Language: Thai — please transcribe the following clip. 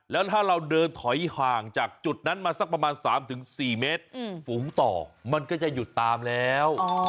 แล้วถ้าเราเดินถอยห่างจากจุดนั้นมาสักประมาณ๓๔เมตรฝูงต่อมันก็จะหยุดตามแล้ว